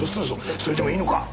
それでもいいのか？